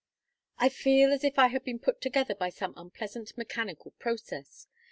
"I feel as if I had been put together by some unpleasant mechanical process.